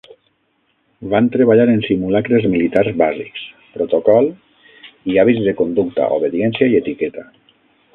Van treballar en simulacres militars bàsics, protocol i hàbits de conducta, obediència i etiqueta.